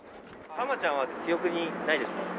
タマちゃんは記憶にないですか？